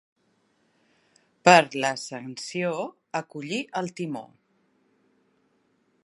Per l'Ascensió, a collir el timó.